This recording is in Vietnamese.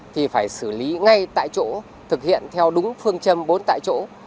thì phải xử lý ngay tại chỗ thực hiện theo đúng phương châm bốn tại chỗ